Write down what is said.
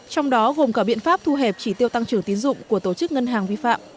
trong đó gồm cả biện pháp thu hẹp chỉ tiêu tăng trưởng tiến dụng của tổ chức ngân hàng vi phạm